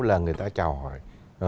là người ta chào hỏi